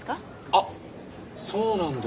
あっそうなんです。